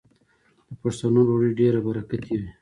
د پښتنو ډوډۍ ډیره برکتي وي.